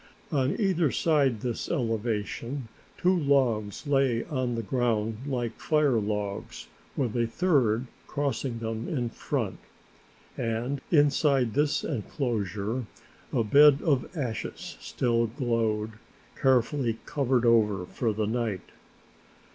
On either side this elevation two logs lay on the ground like fire logs, with a third crossing them in front, and inside this enclosure a bed of ashes still glowed, carefully covered over for the night.